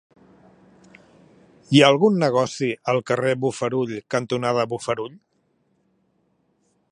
Hi ha algun negoci al carrer Bofarull cantonada Bofarull?